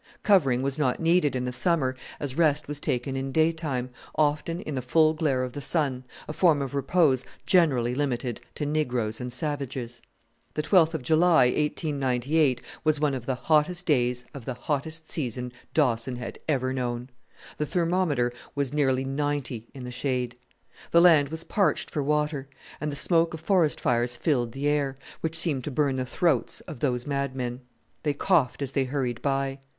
Covering was not needed in the summer, as rest was taken in daytime often in the full glare of the sun a form of repose generally limited to negroes and savages. The 12th of July, 1898, was one of the hottest days of the hottest season Dawson had ever known. The thermometer was nearly ninety in the shade. The land was parched for water, and the smoke of forest fires filled the air, which seemed to burn the throats of those mad men. They coughed as they hurried by.